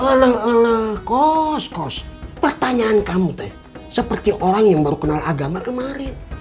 seolah olah kos kos pertanyaan kamu teh seperti orang yang baru kenal agama kemarin